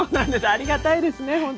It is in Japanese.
ありがたいですね本当。